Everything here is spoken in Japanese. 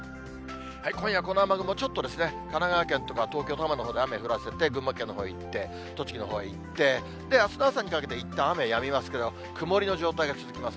今夜この雨雲、ちょっとですね、神奈川県とか東京・多摩のほうで雨降らせて、群馬県のほうへいって、栃木のほうへいって、あすの朝にかけて、いったん雨やみますけれども、曇りの状態が続きます。